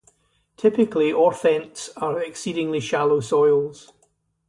Typically, Orthents are exceedingly shallow soils.